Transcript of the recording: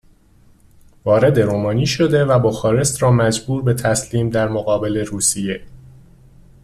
وارد رومانی شده و بخارست را مجبور به تسلیم در مقابل روسیه